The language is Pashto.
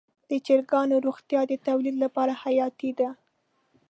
د چرګانو روغتیا د تولید لپاره حیاتي ده.